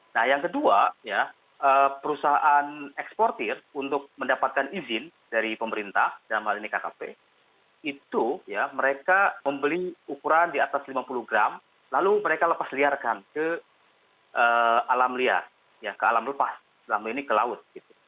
nah yang kedua perusahaan eksportir untuk mendapatkan izin dari pemerintah dalam hal ini kkp itu ya mereka membeli ukuran di atas lima puluh gram lalu mereka lepas liarkan ke alam liar ke alam lepas selama ini ke laut